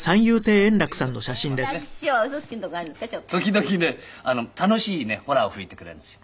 時々ね楽しいねホラを吹いてくるんですよ。